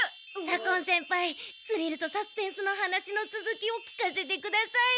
左近先輩スリルとサスペンスの話のつづきを聞かせてください！